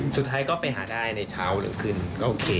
สุดท้ายก็ไปหาได้ในเช้าหรือขึ้นก็โอเค